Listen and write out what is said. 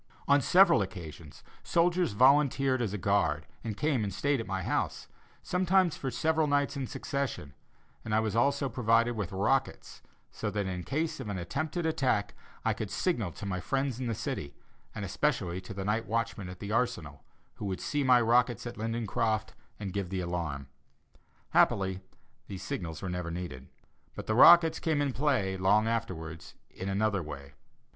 On several occasions, soldiers volunteered as a guard and came and stayed at my house, sometimes for several nights in succession, and I was also provided with rockets, so that in case of an attempted attack I could signal to my friends in the city and especially to the night watchman at the arsenal, who would see my rockets at Lindencroft and give the alarm. Happily these signals were never needed, but the rockets came in play, long afterwards, in another way.